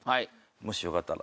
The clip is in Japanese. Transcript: もしよかったら。